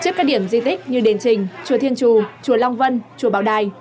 trước các điểm di tích như đền trình chùa thiên chù chùa long vân chùa bảo đài